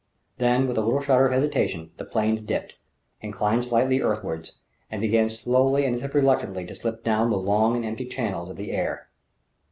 Then, with a little shudder of hesitation, the planes dipped, inclined slightly earthwards, and began slowly and as if reluctantly to slip down the long and empty channels of the air.